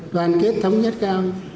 đoàn kết thống nhất cao